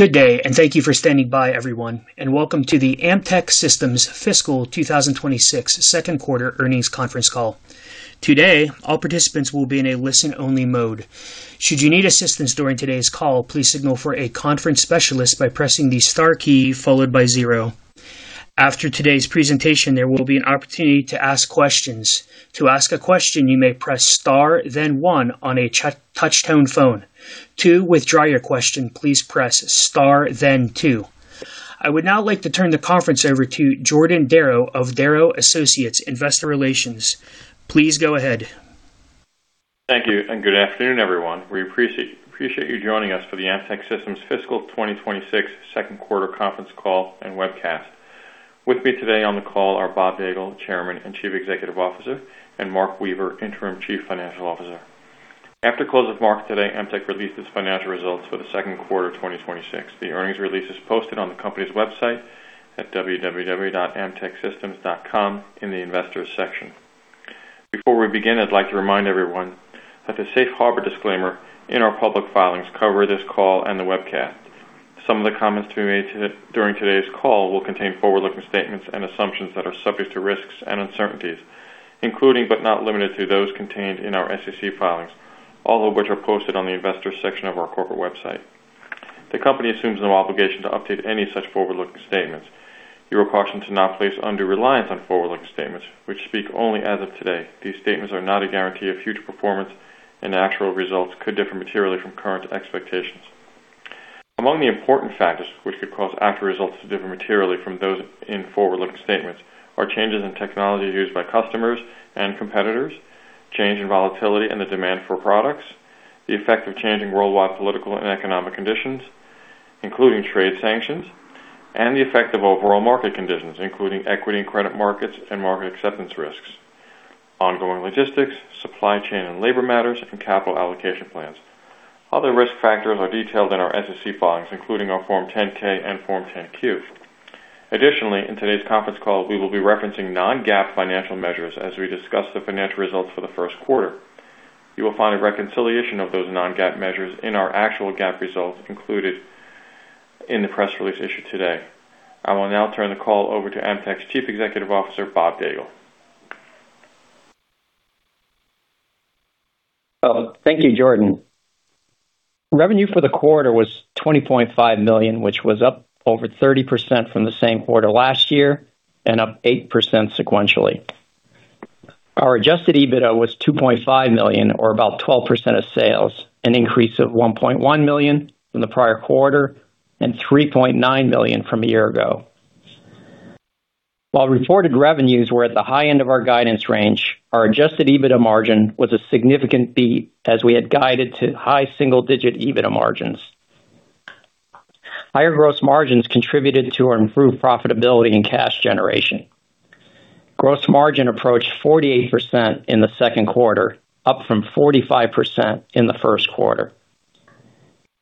Good day, and thank you for standing by everyone, and welcome to the Amtech Systems Fiscal 2026 second quarter earnings conference call. Today, all participants will be in a listen-only mode. After today's presentation, there will be an opportunity to ask questions. I would now like to turn the conference over to Jordan Darrow of Darrow Associates Investor Relations. Please go ahead. Thank you and good afternoon, everyone. We appreciate you joining us for the Amtech Systems Fiscal 2026 second quarter conference call and webcast. With me today on the call are Bob Daigle, Chairman and Chief Executive Officer, and Mark Weaver, Interim Chief Financial Officer. After close of market today, Amtech released its financial results for the second quarter of 2026. The earnings release is posted on the company's website at www.amtechsystems.com in the investors section. Before we begin, I'd like to remind everyone that the safe harbor disclaimer in our public filings cover this call and the webcast. Some of the comments to be made during today's call will contain forward-looking statements and assumptions that are subject to risks and uncertainties, including, but not limited to, those contained in our SEC filings, all of which are posted on the investors section of our corporate website. The company assumes no obligation to update any such forward-looking statements. You're cautioned to not place undue reliance on forward-looking statements which speak only as of today. These statements are not a guarantee of future performance, and actual results could differ materially from current expectations. Among the important factors which could cause actual results to differ materially from those in forward-looking statements are changes in technology used by customers and competitors, change in volatility and the demand for products, the effect of changing worldwide political and economic conditions, including trade sanctions, and the effect of overall market conditions, including equity and credit markets and market acceptance risks, ongoing logistics, supply chain and labor matters, and capital allocation plans. Other risk factors are detailed in our SEC filings, including our Form 10-K and Form 10-Q. Additionally, in today's conference call, we will be referencing non-GAAP financial measures as we discuss the financial results for the first quarter. You will find a reconciliation of those non-GAAP measures in our actual GAAP results included in the press release issued today. I will now turn the call over to Amtech's Chief Executive Officer, Bob Daigle. Well, thank you, Jordan. Revenue for the quarter was $20.5 million, which was up over 30% from the same quarter last year and up 8% sequentially. Our adjusted EBITDA was $2.5 million or about 12% of sales, an increase of $1.1 million from the prior quarter and $3.9 million from a year ago. While reported revenues were at the high end of our guidance range, our adjusted EBITDA margin was a significant beat as we had guided to high single-digit EBITDA margins. Higher gross margins contributed to our improved profitability and cash generation. Gross margin approached 48% in the second quarter, up from 45% in the first quarter.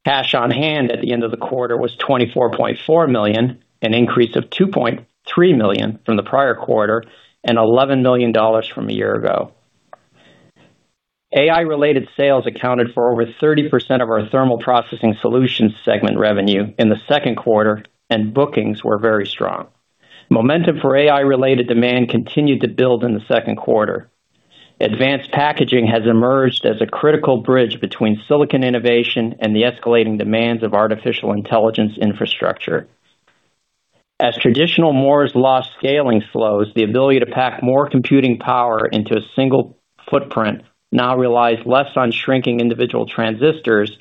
Cash on hand at the end of the quarter was $24.4 million, an increase of $2.3 million from the prior quarter and $11 million from a year ago. AI-related sales accounted for over 30% of our Thermal Processing Solutions segment revenue in the second quarter, and bookings were very strong. Momentum for AI-related demand continued to build in the second quarter. Advanced packaging has emerged as a critical bridge between silicon innovation and the escalating demands of artificial intelligence infrastructure. As traditional Moore's law scaling slows, the ability to pack more computing power into a single footprint now relies less on shrinking individual transistors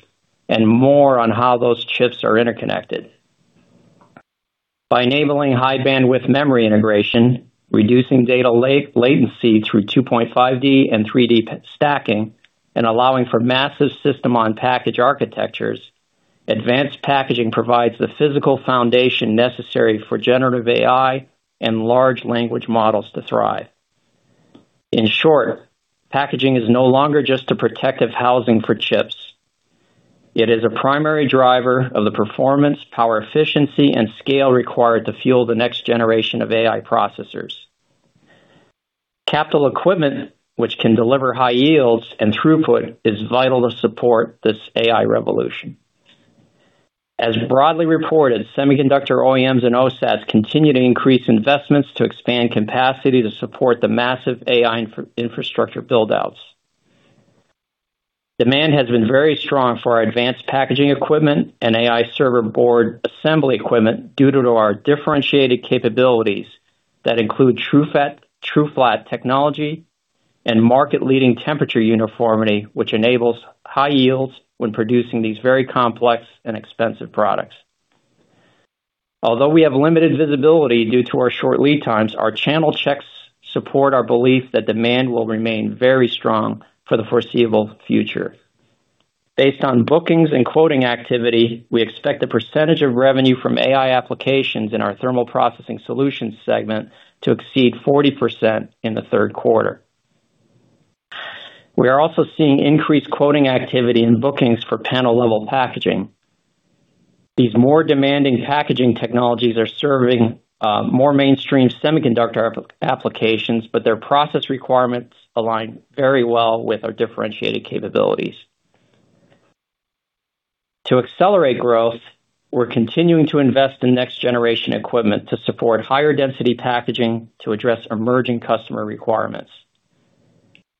and more on how those chips are interconnected. By enabling high-bandwidth memory integration, reducing data latency through 2.5D and 3D stacking, and allowing for massive system on package architectures, advanced packaging provides the physical foundation necessary for generative AI and large language models to thrive. In short, packaging is no longer just a protective housing for chips. It is a primary driver of the performance, power efficiency, and scale required to fuel the next generation of AI processors. Capital equipment, which can deliver high yields and throughput, is vital to support this AI revolution. As broadly reported, semiconductor OEMs and OSATs continue to increase investments to expand capacity to support the massive AI infrastructure build-outs. Demand has been very strong for our advanced packaging equipment and AI server board assembly equipment due to our differentiated capabilities that include TrueFlat technology and market-leading temperature uniformity, which enables high yields when producing these very complex and expensive products. Although we have limited visibility due to our short lead times, our channel checks support our belief that demand will remain very strong for the foreseeable future. Based on bookings and quoting activity, we expect the percentage of revenue from AI applications in our Thermal Processing Solutions segment to exceed 40% in the third quarter. We are also seeing increased quoting activity and bookings for panel-level packaging. These more demanding packaging technologies are serving more mainstream semiconductor applications, but their process requirements align very well with our differentiated capabilities. To accelerate growth, we're continuing to invest in next-generation equipment to support higher density packaging to address emerging customer requirements.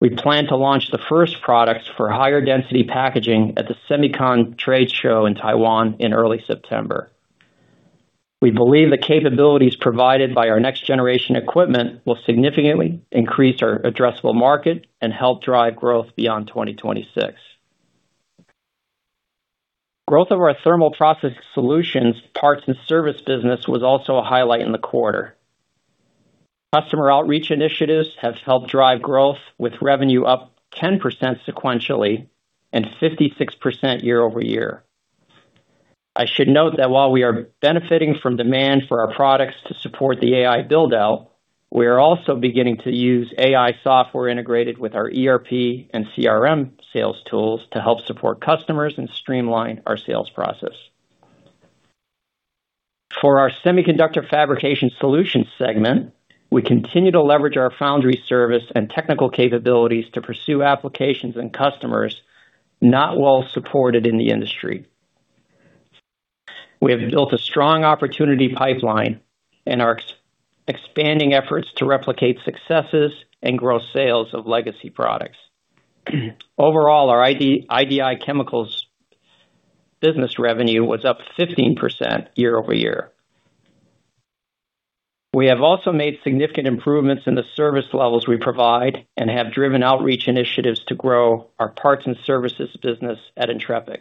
We plan to launch the first products for higher density packaging at the SEMICON trade show in Taiwan in early September. We believe the capabilities provided by our next-generation equipment will significantly increase our addressable market and help drive growth beyond 2026. Growth of our Thermal Processing Solutions, parts and service business was also a highlight in the quarter. Customer outreach initiatives have helped drive growth, with revenue up 10% sequentially and 56% year-over-year. I should note that while we are benefiting from demand for our products to support the AI build-out, we are also beginning to use AI software integrated with our ERP and CRM sales tools to help support customers and streamline our sales process. For our Semiconductor Fabrication Solutions segment, we continue to leverage our foundry service and technical capabilities to pursue applications and customers not well supported in the industry. We have built a strong opportunity pipeline and are expanding efforts to replicate successes and grow sales of legacy products. Overall, our IDI Chemicals business revenue was up 15% year-over-year. We have also made significant improvements in the service levels we provide and have driven outreach initiatives to grow our parts and services business at Entrepix.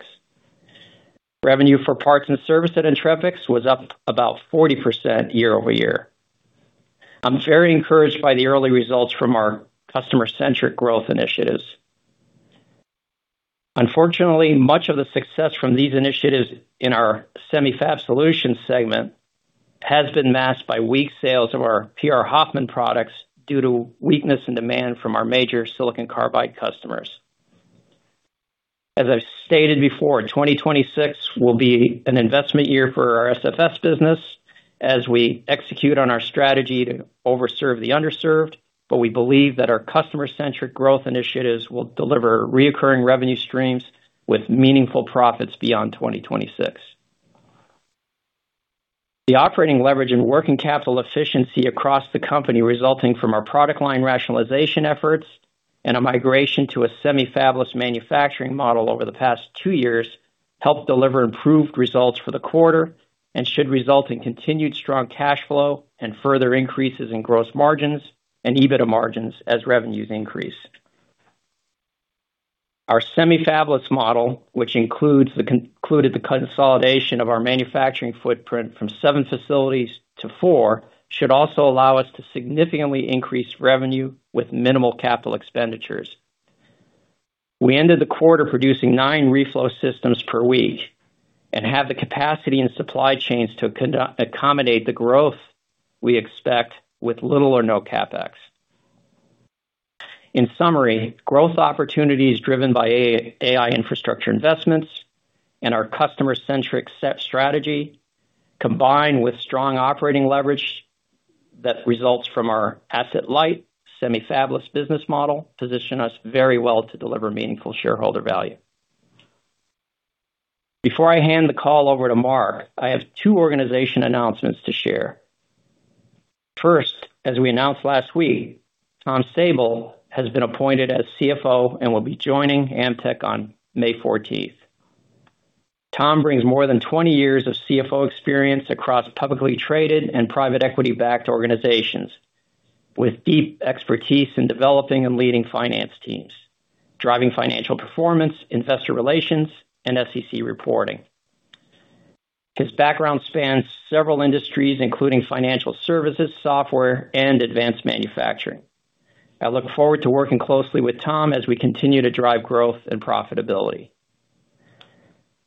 Revenue for parts and service at Entrepix was up about 40% year-over-year. I'm very encouraged by the early results from our customer-centric growth initiatives. Unfortunately, much of the success from these initiatives in our Semiconductor Fabrication Solutions segment has been masked by weak sales of our PR Hoffman products due to weakness in demand from our major silicon carbide customers. As I've stated before, 2026 will be an investment year for our SFS business as we execute on our strategy to overserve the underserved. We believe that our customer-centric growth initiatives will deliver reoccurring revenue streams with meaningful profits beyond 2026. The operating leverage and working capital efficiency across the company resulting from our product line rationalization efforts and a migration to a semi-fabless manufacturing model over the past two years helped deliver improved results for the quarter and should result in continued strong cash flow and further increases in gross margins and EBITDA margins as revenues increase. Our semi-fabless model, which included the consolidation of our manufacturing footprint from seven facilities to four, should also allow us to significantly increase revenue with minimal capital expenditures. We ended the quarter producing nine reflow systems per week and have the capacity and supply chains to accommodate the growth we expect with little or no CapEx. In summary, growth opportunities driven by AI infrastructure investments and our customer-centric set strategy, combined with strong operating leverage that results from our asset-light semi-fabless business model, position us very well to deliver meaningful shareholder value. Before I hand the call over to Mark, I have two organization announcements to share. First, as we announced last week, Tom Sabol has been appointed as CFO and will be joining Amtech on May 14th. Tom brings more than 20 years of CFO experience across publicly traded and private equity-backed organizations, with deep expertise in developing and leading finance teams, driving financial performance, investor relations, and SEC reporting. His background spans several industries, including financial services, software, and advanced manufacturing. I look forward to working closely with Tom as we continue to drive growth and profitability.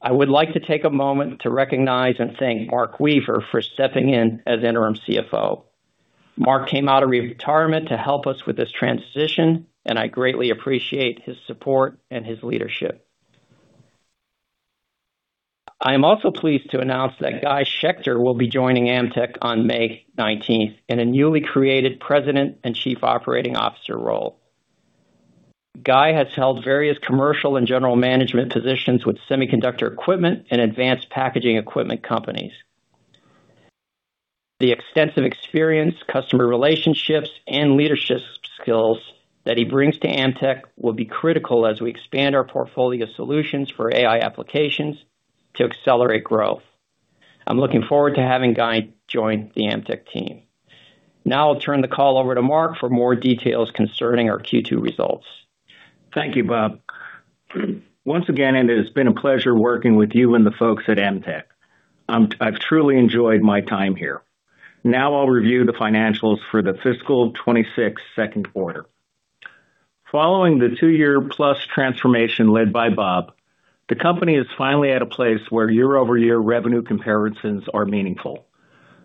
I would like to take a moment to recognize and thank Mark Weaver for stepping in as interim CFO. Mark came out of retirement to help us with this transition, and I greatly appreciate his support and his leadership. I am also pleased to announce that Guy Shechter will be joining Amtech on May 19th in a newly created President and Chief Operating Officer role. Guy has held various commercial and general management positions with semiconductor equipment and advanced packaging equipment companies. The extensive experience, customer relationships, and leadership skills that he brings to Amtech will be critical as we expand our portfolio solutions for AI applications to accelerate growth. I'm looking forward to having Guy join the Amtech team. I'll turn the call over to Mark for more details concerning our Q2 results. Thank you, Bob. Once again, it has been a pleasure working with you and the folks at Amtech. I've truly enjoyed my time here. Now I'll review the financials for the fiscal 2026 second quarter. Following the two-year plus transformation led by Bob, the company is finally at a place where year-over-year revenue comparisons are meaningful.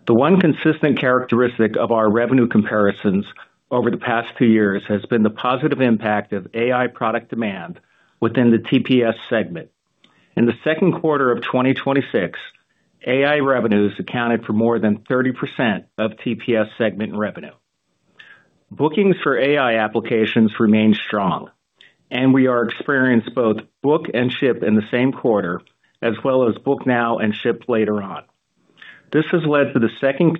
The one consistent characteristic of our revenue comparisons over the past two years has been the positive impact of AI product demand within the TPS segment. In the second quarter of 2026, AI revenues accounted for more than 30% of TPS segment revenue. Bookings for AI applications remain strong, and we are experienced both book and ship in the same quarter as well as book now and ship later on. This has led to the second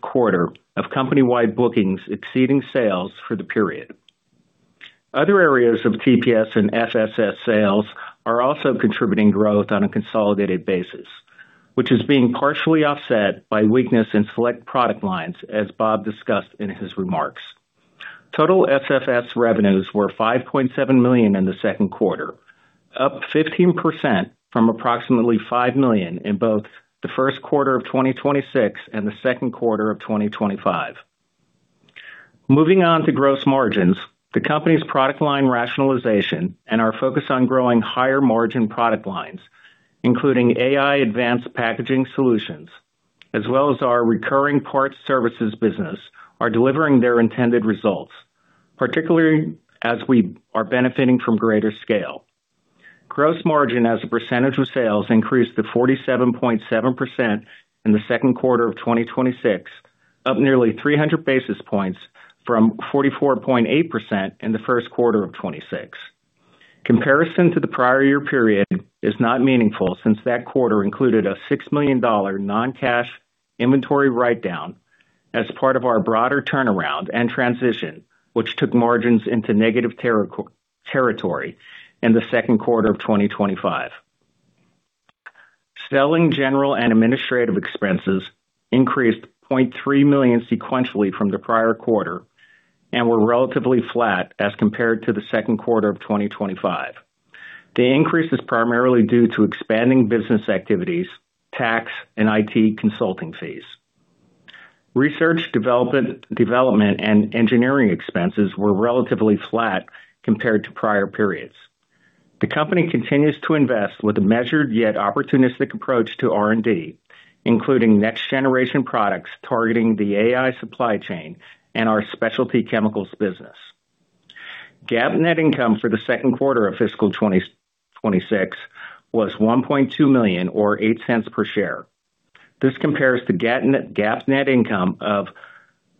quarter of company-wide bookings exceeding sales for the period. Other areas of TPS and SFS sales are also contributing growth on a consolidated basis, which is being partially offset by weakness in select product lines, as Bob discussed in his remarks. Total SFS revenues were $5.7 million in the second quarter, up 15% from approximately $5 million in both the first quarter of 2026 and the second quarter of 2025. Moving on to gross margins. The company's product line rationalization and our focus on growing higher margin product lines, including AI advanced packaging solutions, as well as our recurring parts services business, are delivering their intended results, particularly as we are benefiting from greater scale. Gross margin as a percentage of sales increased to 47.7% in the second quarter of 2026, up nearly 300 basis points from 44.8% in the first quarter of 2026. Comparison to the prior year period is not meaningful since that quarter included a $6 million non-cash inventory write-down as part of our broader turnaround and transition, which took margins into negative territory in the second quarter of 2025. Selling general and administrative expenses increased $0.3 million sequentially from the prior quarter and were relatively flat as compared to the second quarter of 2025. The increase is primarily due to expanding business activities, tax and IT consulting fees. Research development and engineering expenses were relatively flat compared to prior periods. The company continues to invest with a measured yet opportunistic approach to R&D, including next-generation products targeting the AI supply chain and our specialty chemicals business. GAAP net income for the second quarter of fiscal 2026 was $1.2 million or $0.08 per share. This compares to GAAP net income of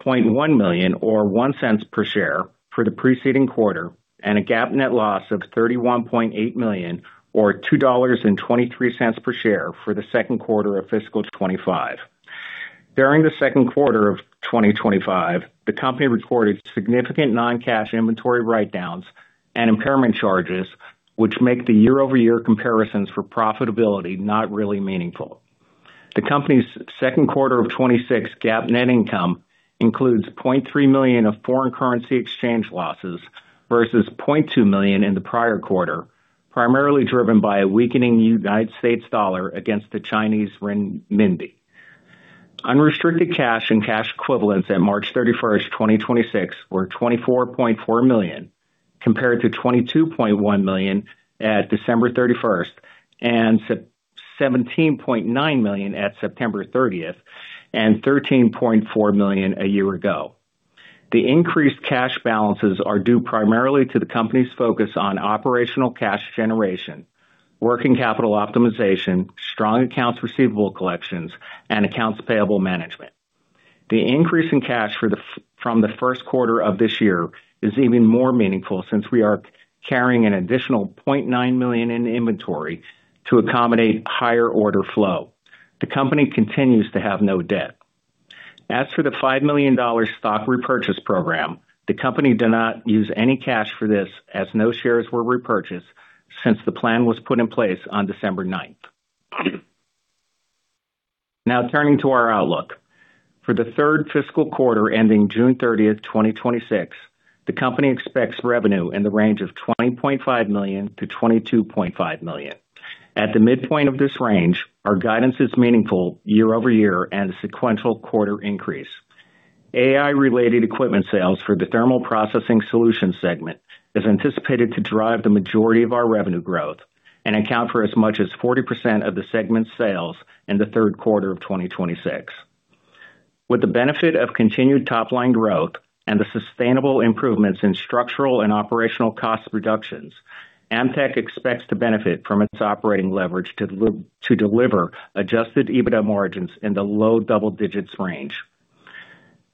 $0.1 million or $0.01 per share for the preceding quarter, and a GAAP net loss of $31.8 million or $2.23 per share for the second quarter of fiscal 2025. During the second quarter of 2025, the company recorded significant non-cash inventory write-downs and impairment charges, which make the year-over-year comparisons for profitability not really meaningful. The company's second quarter of 2026 GAAP net income includes $0.3 million of foreign currency exchange losses versus $0.2 million in the prior quarter, primarily driven by a weakening U.S. dollar against the Chinese renminbi. Unrestricted cash and cash equivalents at March 31st, 2026 were $24.4 million, compared to $22.1 million at December 31st, and $17.9 million at September 30th, and $13.4 million a year ago. The increased cash balances are due primarily to the company's focus on operational cash generation, working capital optimization, strong accounts receivable collections, and accounts payable management. The increase in cash from the first quarter of this year is even more meaningful since we are carrying an additional $0.9 million in inventory to accommodate higher order flow. The company continues to have no debt. As for the $5 million stock repurchase program, the company did not use any cash for this as no shares were repurchased since the plan was put in place on December 9th. Turning to our outlook. For the third fiscal quarter, ending June 30th, 2026, the company expects revenue in the range of $20.5 million-$22.5 million. At the midpoint of this range, our guidance is meaningful year-over-year and sequential quarter increase. AI-related equipment sales for the Thermal Processing Solutions segment is anticipated to drive the majority of our revenue growth and account for as much as 40% of the segment's sales in the third quarter of 2026. With the benefit of continued top-line growth and the sustainable improvements in structural and operational cost reductions, Amtech expects to benefit from its operating leverage to deliver adjusted EBITDA margins in the low double digits range.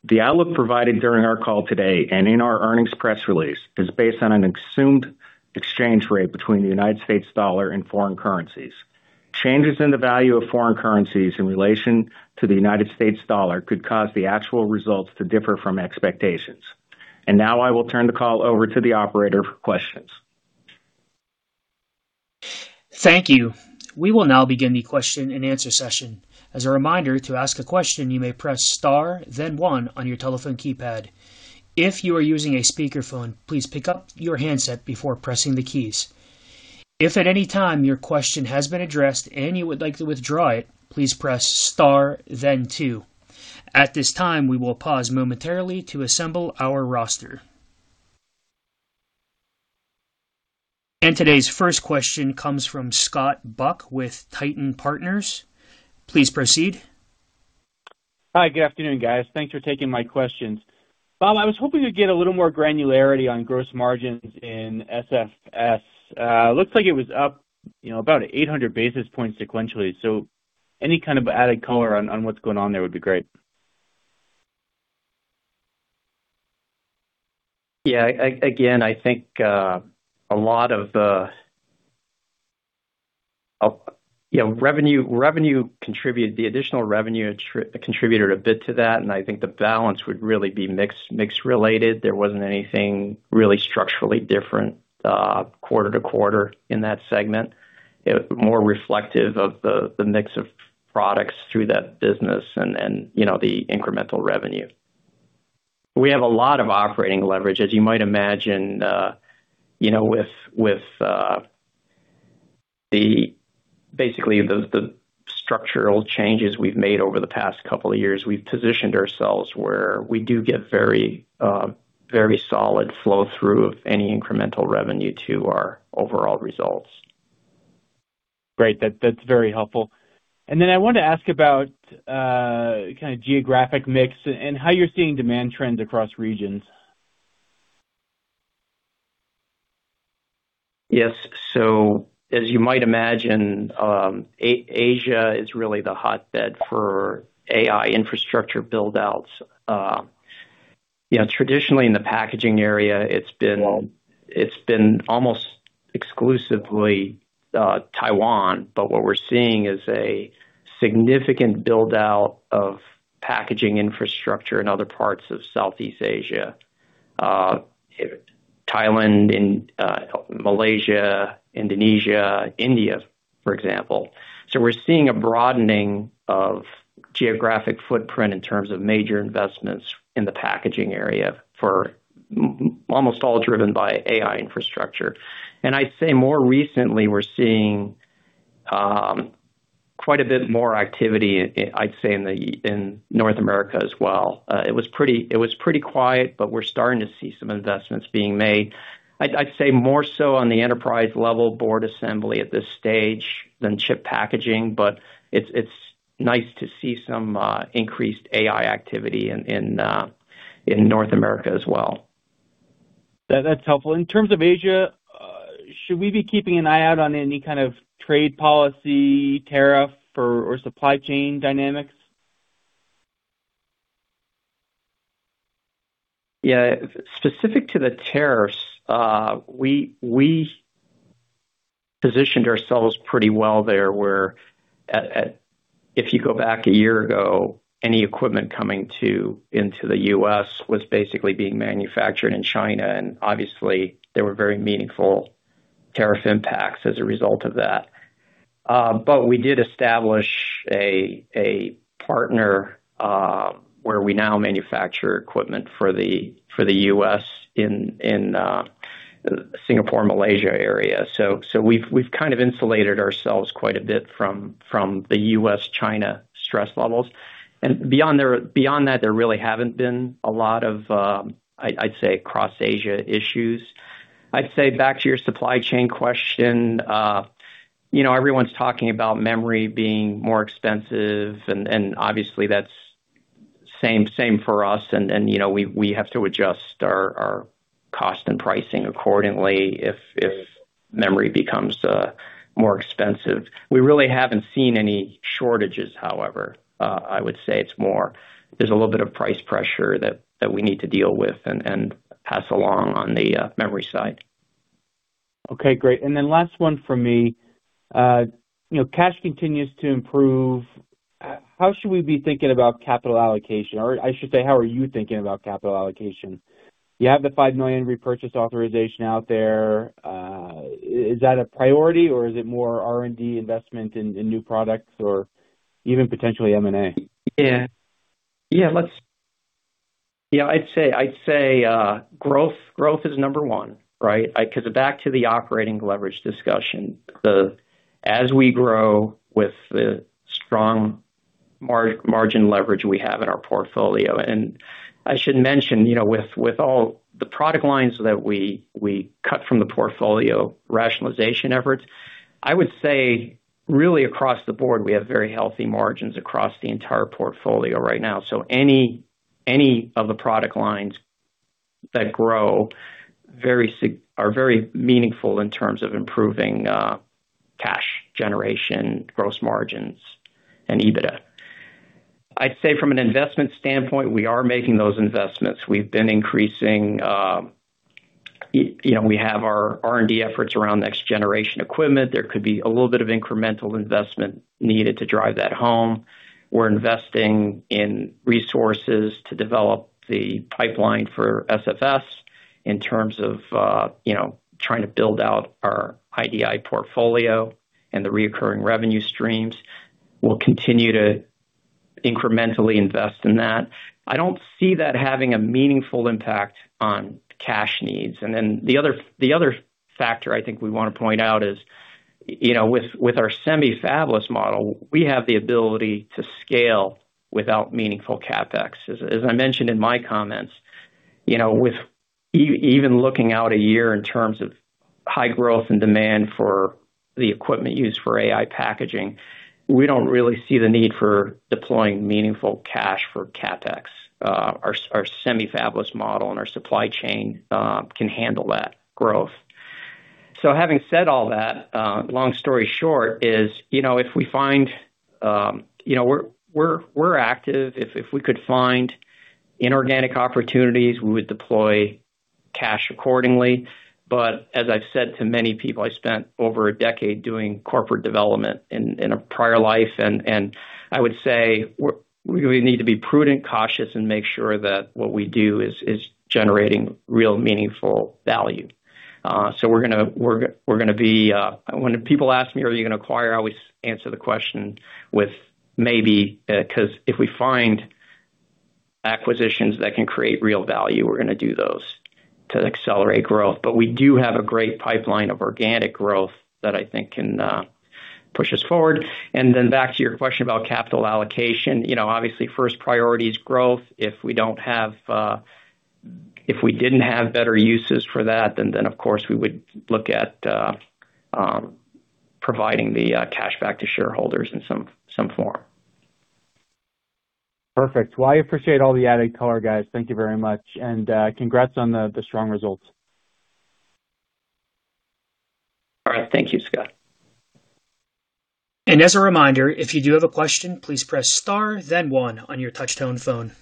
The outlook provided during our call today and in our earnings press release is based on an assumed exchange rate between the United States dollar and foreign currencies. Changes in the value of foreign currencies in relation to the United States dollar could cause the actual results to differ from expectations. Now I will turn the call over to the operator for questions. Thank you. We will now begin the question-and-answer session. As a reminder, to ask a question, you may press star then one on your telephone keypad. If you are using a speakerphone, please pick up your handset before pressing the keys. If at any time your question has been addressed and you would like to withdraw it, please press star then two. At this time, we will pause momentarily to assemble our roster. Today's first question comes from Scott Buck with Titan Partners. Please proceed. Hi. Good afternoon, guys. Thanks for taking my questions. Bob, I was hoping to get a little more granularity on gross margins in SFS. looks like it was up, you know, about 800 basis points sequentially. Any kind of added color on what's going on there would be great. Yeah. Again, I think, a lot of the, you know, the additional revenue contributed a bit to that. I think the balance would really be mix related. There wasn't anything really structurally different, quarter-over-quarter in that segment. More reflective of the mix of products through that business and, you know, the incremental revenue. We have a lot of operating leverage. As you might imagine, you know, with basically the structural changes we've made over the past couple years, we've positioned ourselves where we do get very solid flow through of any incremental revenue to our overall results. Great. That's very helpful. Then I wanted to ask about kinda geographic mix and how you're seeing demand trends across regions. Yes. As you might imagine, Asia is really the hotbed for AI infrastructure build-outs. You know, traditionally in the packaging area, it's been almost exclusively Taiwan, but what we're seeing is a significant build-out of packaging infrastructure in other parts of Southeast Asia. Thailand and Malaysia, Indonesia, India, for example. We're seeing a broadening of geographic footprint in terms of major investments in the packaging area for almost all driven by AI infrastructure. I'd say more recently, we're seeing quite a bit more activity I'd say in North America as well. It was pretty quiet, but we're starting to see some investments being made. I'd say more so on the enterprise level board assembly at this stage than chip packaging, but it's nice to see some increased AI activity in North America as well. That's helpful. In terms of Asia, should we be keeping an eye out on any kind of trade policy, tariff or supply chain dynamics? Yeah. Specific to the tariffs, we positioned ourselves pretty well there where if you go back a year ago, any equipment coming into the U.S. was basically being manufactured in China, and obviously there were very meaningful tariff impacts as a result of that. We did establish a partner where we now manufacture equipment for the U.S. in Singapore, Malaysia area. We've kind of insulated ourselves quite a bit from the U.S.-China stress levels. Beyond that, there really haven't been a lot of, I'd say, across Asia issues. I'd say back to your supply chain question, you know, everyone's talking about memory being more expensive and obviously that's same for us. You know, we have to adjust our cost and pricing accordingly if memory becomes more expensive. We really haven't seen any shortages, however. I would say it's more there's a little bit of price pressure that we need to deal with and pass along on the memory side. Okay, great. Then last one from me. You know, cash continues to improve. How should we be thinking about capital allocation? Or I should say, how are you thinking about capital allocation? You have the $5 million repurchase authorization out there. Is that a priority or is it more R&D investment in new products or even potentially M&A? I'd say, I'd say growth is number one, right? 'Cause back to the operating leverage discussion. As we grow with the strong margin leverage we have in our portfolio, and I should mention, you know, with all the product lines that we cut from the portfolio rationalization efforts, I would say really across the board, we have very healthy margins across the entire portfolio right now. Any of the product lines that grow are very meaningful in terms of improving cash generation, gross margins and EBITDA. I'd say from an investment standpoint, we are making those investments. We've been increasing, you know, we have our R&D efforts around next generation equipment. There could be a little bit of incremental investment needed to drive that home. We're investing in resources to develop the pipeline for SFS in terms of, you know, trying to build out our IDI portfolio and the reoccurring revenue streams. We'll continue to incrementally invest in that. I don't see that having a meaningful impact on cash needs. The other, the other factor I think we wanna point out is, you know, with our semi-fabless model, we have the ability to scale without meaningful CapEx. As I mentioned in my comments, you know, with even looking out a year in terms of high growth and demand for the equipment used for AI packaging, we don't really see the need for deploying meaningful cash for CapEx. Our semi-fabless model and our supply chain can handle that growth. Having said all that, long story short is, you know, if we find, you know, we're active. If we could find inorganic opportunities, we would deploy cash accordingly. As I've said to many people, I spent over a decade doing corporate development in a prior life, and I would say we need to be prudent, cautious, and make sure that what we do is generating real meaningful value. We're gonna be When people ask me, "Are you gonna acquire?" I always answer the question with maybe, 'cause if we find acquisitions that can create real value, we're gonna do those to accelerate growth. We do have a great pipeline of organic growth that I think can push us forward. Back to your question about capital allocation, you know, obviously first priority is growth. If we don't have, if we didn't have better uses for that, then of course we would look at providing the cash back to shareholders in some form. Perfect. Well, I appreciate all the added color, guys. Thank you very much and congrats on the strong results. All right. Thank you, Scott. As a reminder, if you do have a question, please press star then one on your touchtone phone.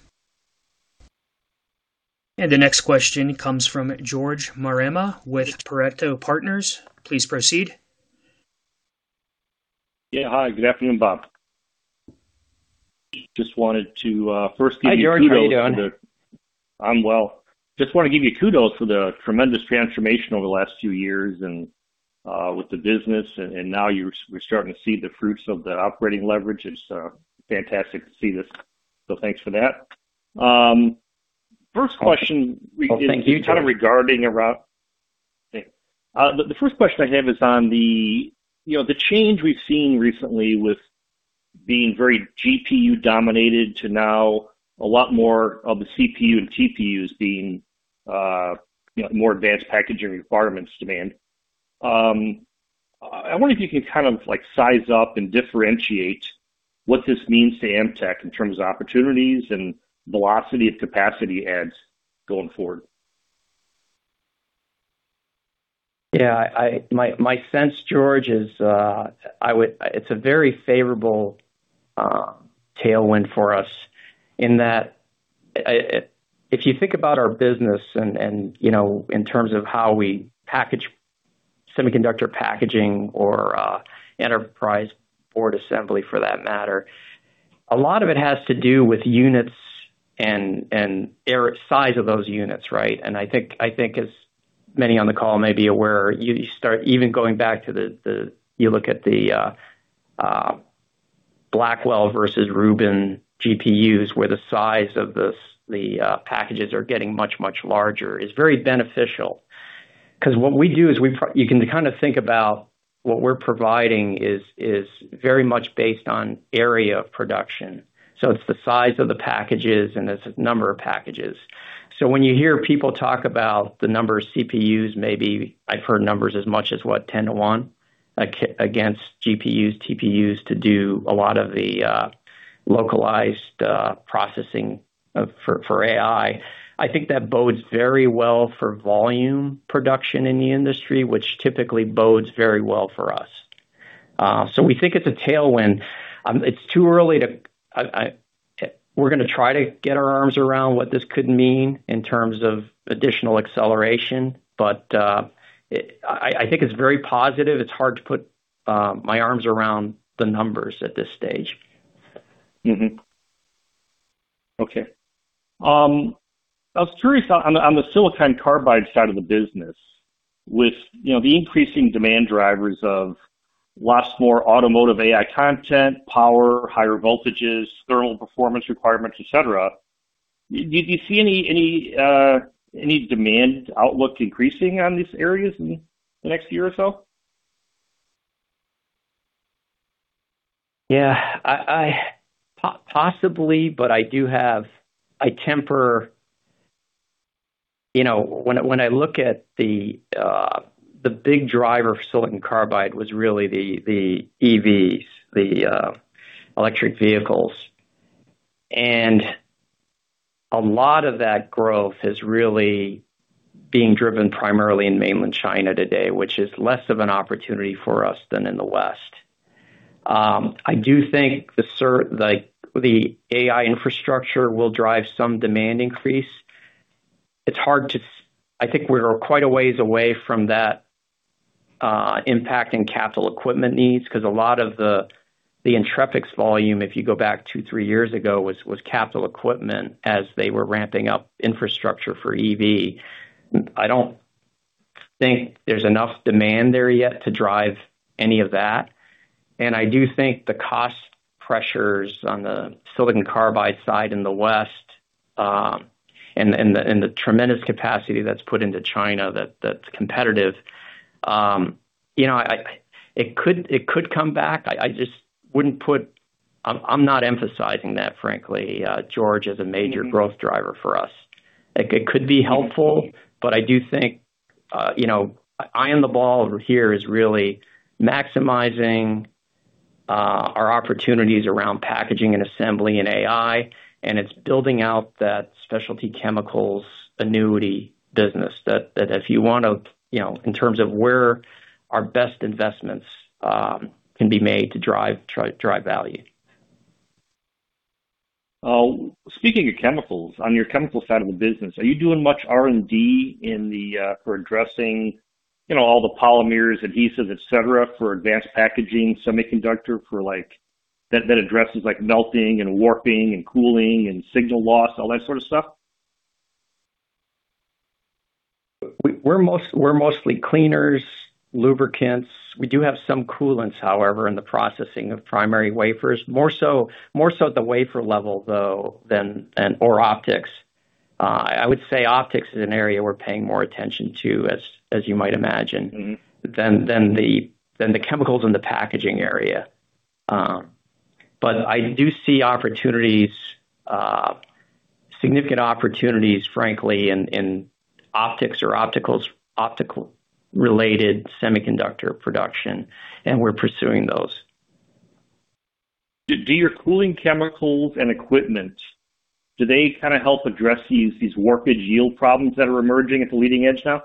The next question comes from George Marema with Pareto Partners. Please proceed. Yeah, hi. Good afternoon, Bob. Just wanted to first give you kudos. Hi, George. How you doing? I'm well. Just wanna give you kudos for the tremendous transformation over the last few years and with the business, and now we're starting to see the fruits of that operating leverage. It's fantastic to see this. Thanks for that. Oh, thank you, George. Is kind of regarding around the first question I have is on the, you know, the change we've seen recently with being very GPU-dominated to now a lot more of the CPU and TPUs being, you know, more advanced packaging requirements demand. I wonder if you can kind of like size up and differentiate what this means to Amtech in terms of opportunities and velocity of capacity adds going forward. My sense, George, is, it's a very favorable tailwind for us in that, if you think about our business and, you know, in terms of how we package semiconductor packaging or enterprise board assembly for that matter, a lot of it has to do with units and size of those units, right? I think as many on the call may be aware, you start even going back to, you look at the Blackwell versus Rubin GPUs, where the size of the packages are getting much, much larger, is very beneficial. Because what we do is we, you can kind of think about what we're providing is very much based on area of production. It's the size of the packages and it's the number of packages. When you hear people talk about the number of CPUs, maybe I've heard numbers as much as, what, 10 to one against GPUs, TPUs to do a lot of the localized processing for AI. I think that bodes very well for volume production in the industry, which typically bodes very well for us. We think it's a tailwind. It's too early to, we're gonna try to get our arms around what this could mean in terms of additional acceleration, but I think it's very positive. It's hard to put my arms around the numbers at this stage. Okay. I was curious on the silicon carbide side of the business with, you know, the increasing demand drivers of lots more automotive AI content, power, higher voltages, thermal performance requirements, et cetera. Do you see any demand outlook increasing on these areas in the next year or so? Yeah. Possibly, but I do have a temper. You know, when I look at the big driver of silicon carbide was really the EVs, the electric vehicles. A lot of that growth is really being driven primarily in mainland China today, which is less of an opportunity for us than in the West. I do think like the AI infrastructure will drive some demand increase. It's hard to say. I think we're quite a ways away from that impact in capital equipment needs, 'cause a lot of the Entrepix volume, if you go back two, three years ago, was capital equipment as they were ramping up infrastructure for EV. I don't think there's enough demand there yet to drive any of that. I do think the cost pressures on the silicon carbide side in the West, and the tremendous capacity that's put into China that's competitive, you know, it could come back. I'm not emphasizing that, frankly, George, as a major growth driver for us. Like, it could be helpful, but I do think, you know, eye on the ball over here is really maximizing our opportunities around packaging and assembly and AI, and it's building out that specialty chemicals annuity business that if you want to, you know, in terms of where our best investments can be made to drive value. Speaking of chemicals, on your chemical side of the business, are you doing much R&D in the for addressing, you know, all the polymers, adhesives, et cetera, for advanced packaging semiconductor for, like, that addresses, like, melting and warping and cooling and signal loss, all that sort of stuff? We're mostly cleaners, lubricants. We do have some coolants, however, in the processing of primary wafers, more so at the wafer level though than optics. I would say optics is an area we're paying more attention to, as you might imagine. Than the chemicals in the packaging area. I do see opportunities, significant opportunities, frankly, in optics or optical-related semiconductor production, and we're pursuing those. Do your cooling chemicals and equipment, do they kind of help address these warpage yield problems that are emerging at the leading edge now?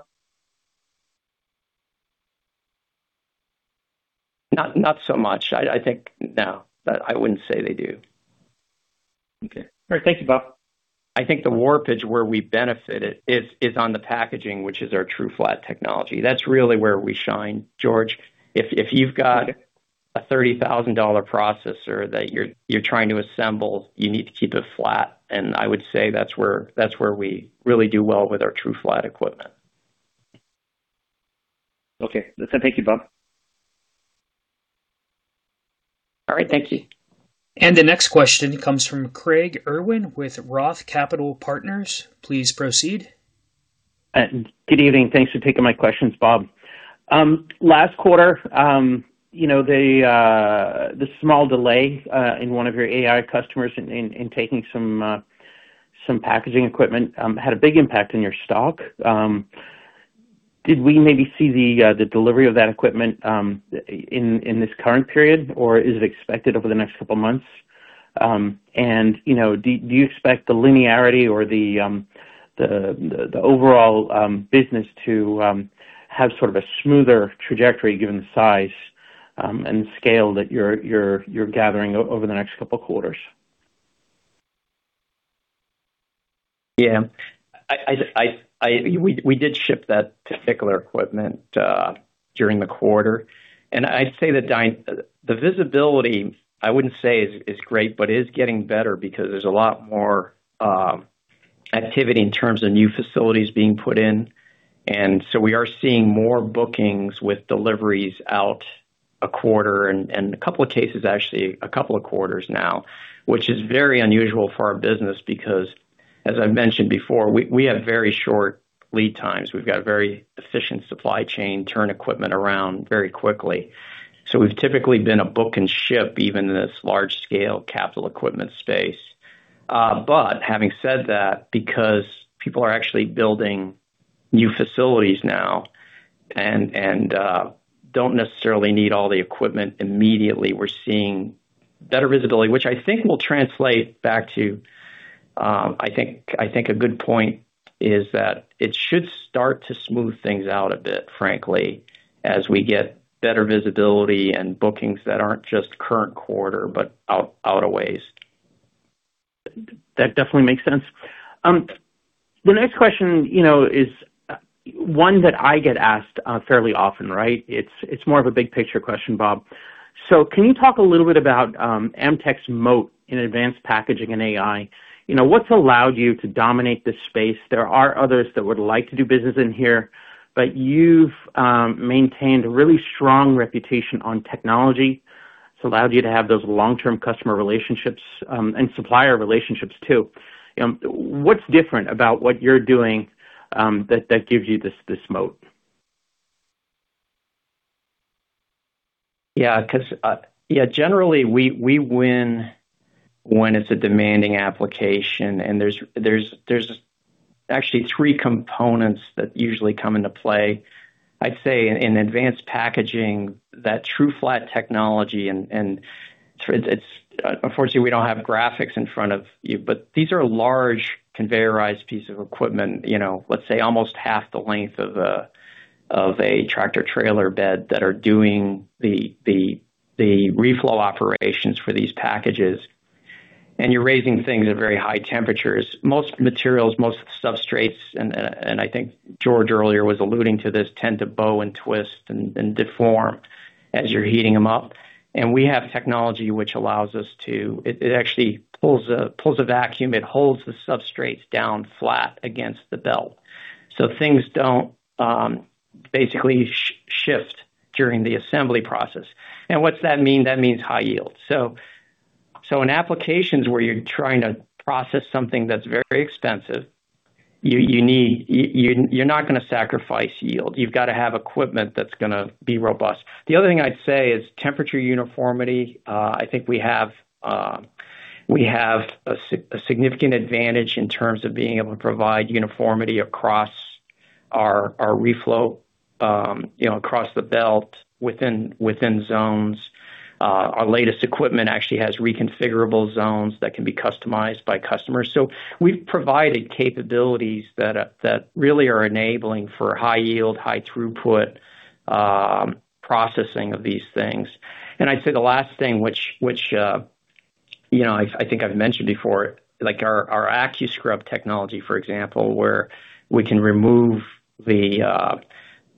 Not so much. I think no. That I wouldn't say they do. Okay. All right. Thank you, Bob. I think the warpage where we benefit it is on the packaging, which is our TrueFlat technology. That's really where we shine, George. If you've got a $30,000 processor that you're trying to assemble, you need to keep it flat, I would say that's where we really do well with our TrueFlat equipment. Okay. Listen, thank you, Bob. All right. Thank you. The next question comes from Craig Irwin with ROTH Capital Partners. Please proceed. Good evening. Thanks for taking my questions, Bob. Last quarter, you know, the small delay in one of your AI customers in taking some packaging equipment had a big impact on your stock. Did we maybe see the delivery of that equipment in this current period, or is it expected over the next couple months? You know, do you expect the linearity or the overall business to have sort of a smoother trajectory given the size, and scale that you're gathering over the next couple quarters? Yeah. We did ship that particular equipment during the quarter. I'd say the visibility, I wouldn't say is great, but is getting better because there's a lot more activity in terms of new facilities being put in. We are seeing more bookings with deliveries out a quarter and couple cases, actually a couple quarters now, which is very unusual for our business because, as I've mentioned before, we have very short lead times. We've got a very efficient supply chain, turn equipment around very quickly. We've typically been a book and ship even in this large scale capital equipment space. Having said that, because people are actually building new facilities now and don't necessarily need all the equipment immediately, we're seeing better visibility, which I think will translate back to, I think a good point is that it should start to smooth things out a bit, frankly, as we get better visibility and bookings that aren't just current quarter but out a ways. That definitely makes sense. The next question, you know, is one that I get asked fairly often, right? It's more of a big picture question, Bob. Can you talk a little bit about Amtech Systems' moat in advanced packaging and AI? You know, what's allowed you to dominate this space? There are others that would like to do business in here, but you've maintained a really strong reputation on technology. It's allowed you to have those long-term customer relationships and supplier relationships too. What's different about what you're doing that gives you this moat? Generally, we win when it's a demanding application and there's actually three components that usually come into play. I'd say in advanced packaging, that TrueFlat technology, unfortunately, we don't have graphics in front of you, but these are large conveyorized piece of equipment, you know, let's say almost half the length of a tractor-trailer bed that are doing the reflow operations for these packages. You're raising things at very high temperatures. Most materials, most substrates, and I think George earlier was alluding to this, tend to bow and twist and deform as you're heating them up. We have technology which allows us to actually pulls a vacuum. It holds the substrates down flat against the belt. Things don't basically shift during the assembly process. What's that mean? That means high yield. In applications where you're trying to process something that's very expensive, you're not gonna sacrifice yield. You've got to have equipment that's gonna be robust. The other thing I'd say is temperature uniformity. I think we have a significant advantage in terms of being able to provide uniformity across our reflow, you know, across the belt within zones. Our latest equipment actually has reconfigurable zones that can be customized by customers. We've provided capabilities that really are enabling for high yield, high throughput processing of these things. I'd say the last thing which, you know, I think I've mentioned before, like our Aqua Scrub technology, for example, where we can remove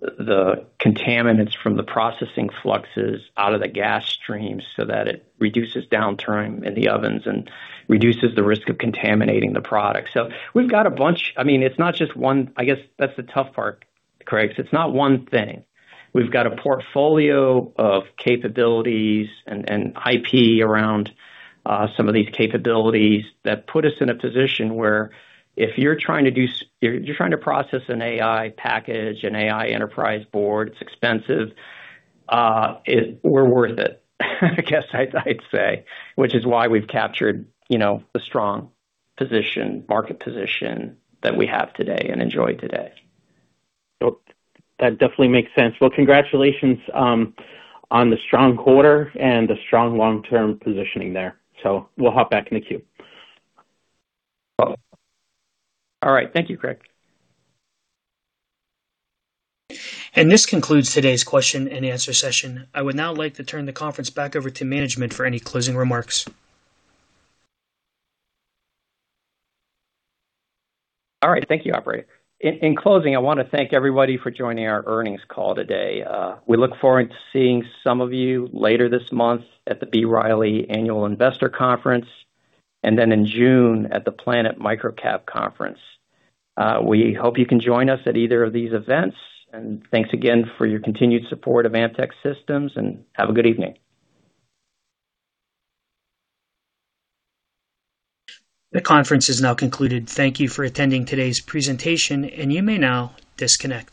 the contaminants from the processing fluxes out of the gas stream so that it reduces downtime in the ovens and reduces the risk of contaminating the product. We've got a bunch I mean, it's not just one. I guess that's the tough part, Craig. It's not one thing. We've got a portfolio of capabilities and IP around some of these capabilities that put us in a position where if you're trying to do you're trying to process an AI package, an AI enterprise board, it's expensive. We're worth it, I guess I'd say. Which is why we've captured, you know, the strong position, market position that we have today and enjoy today. Yep. That definitely makes sense. Congratulations on the strong quarter and the strong long-term positioning there. We'll hop back in the queue. No problem. All right. Thank you, Craig. This concludes today's question and answer session. I would now like to turn the conference back over to management for any closing remarks. All right. Thank you, operator. In closing, I want to thank everybody for joining our earnings call today. We look forward to seeing some of you later this month at the B. Riley Annual Investor Conference, and then in June at the Planet MicroCap Conference. We hope you can join us at either of these events. Thanks again for your continued support of Amtech Systems, and have a good evening. The conference is now concluded. Thank you for attending today's presentation, and you may now disconnect.